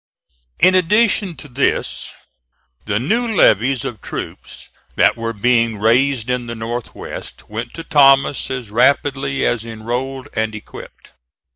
In addition to this, the new levies of troops that were being raised in the North west went to Thomas as rapidly as enrolled and equipped.